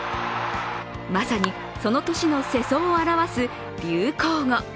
まさにその年の世相を表す流行語。